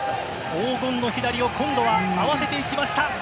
黄金の左を合わせていきました。